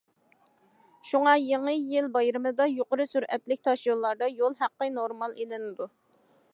شۇڭا يېڭى يىل بايرىمىدا يۇقىرى سۈرئەتلىك تاشيوللاردا يول ھەققى نورمال ئېلىنىدۇ.